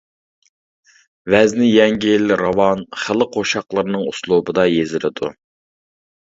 ۋەزنى يەڭگىل، راۋان، خەلق قوشاقلىرىنىڭ ئۇسلۇبىدا يېزىلىدۇ.